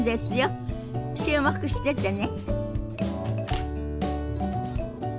注目しててね。